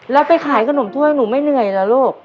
แล้วไปขายขนมถ้วยหนูไม่เหนื่อยเหรอลูก